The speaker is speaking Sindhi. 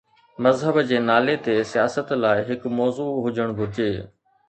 مذهب جي نالي تي سياست لاءِ هڪ موضوع هجڻ گهرجي.